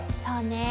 そうね。